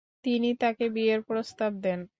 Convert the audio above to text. তিনি তাকে বিয়ের প্রস্তাব দেন।